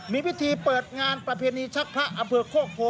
มีพิธีเปิดงานประเพณีชักพระอำเภอโคกโพ